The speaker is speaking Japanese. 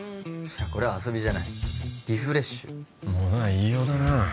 これは遊びじゃないリフレッシュものは言いようだな